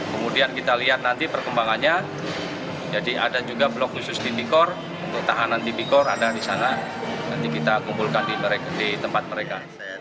kemudian kita lihat nanti perkembangannya jadi ada juga blok khusus tipikor untuk tahanan tipikor ada di sana nanti kita kumpulkan di tempat mereka